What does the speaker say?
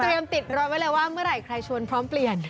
เตรียมติดรอไว้เลยว่าเมื่อไหร่ใครชวนพร้อมเปลี่ยน